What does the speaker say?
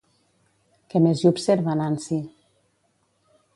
Què més hi observa Nancy?